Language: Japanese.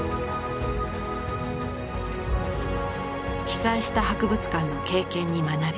被災した博物館の経験に学び